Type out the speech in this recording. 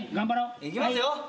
いきますよ。